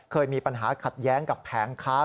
เคยมีปัญหาขัดแย้งกับแผงค้า